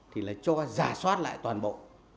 thì là cho giả soát lại toàn bộ